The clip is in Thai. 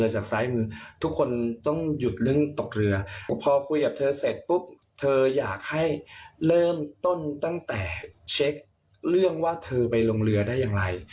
ให้เริ่มต้นตั้งแต่เช็คเรื่องว่าเธอไปลงเรือได้อย่างไร